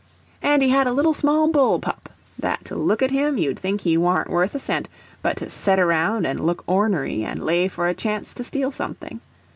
And he had a little small bull pup, that to look at him you'd think he warn't worth a cent but to set around and look ornery and lay for a chance to steal something.